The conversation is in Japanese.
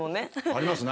ありますね。